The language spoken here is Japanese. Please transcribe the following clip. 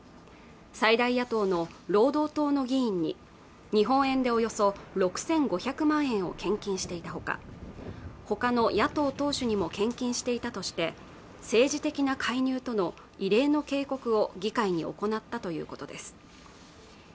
最大野党の労働党の議員に日本円でおよそ６５００万円を献金していたほかほかの野党党首にも献金していたとして政治的な介入との異例の警告を議会に行ったということです